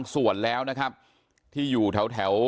ส่วนแล้วนะครับที่อยู่แถว